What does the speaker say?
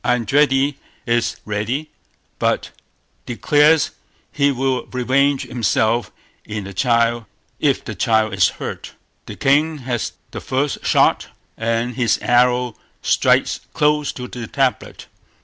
Eindridi is ready, but declares he will revenge himself if the child is hurt. The king has the first shot, and his arrow strikes close to the tablet.